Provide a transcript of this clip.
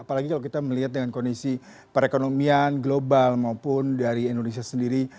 apalagi kalau kita melihat dengan kondisi perekonomian global maupun dari indonesia sendiri